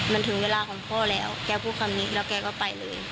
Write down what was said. มันถึงเวลาของพ่อแล้วแกพูดคำนี้แล้วแกก็ไปเลย